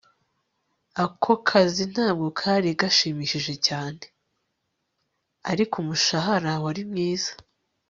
ako kazi ntabwo kari gashimishije cyane. ariko, umushahara wari mwiza